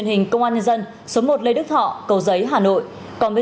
tỉnh quảng hải